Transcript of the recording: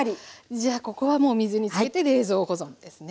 じゃあここはもう水につけて冷蔵保存ですね。